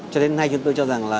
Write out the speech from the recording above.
cho đến nay chúng tôi cho rằng là